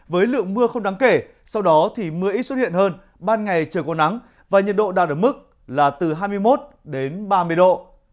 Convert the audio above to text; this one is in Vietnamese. với lượng mưa không đáng kể sau đó thì mưa ít xuất hiện hơn ban ngày trời có nắng và nhiệt độ đạt ở mức là từ hai mươi một đến ba mươi độ